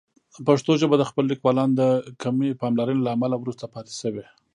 پښتو ژبه د خپلو لیکوالانو د کمې پاملرنې له امله وروسته پاتې شوې.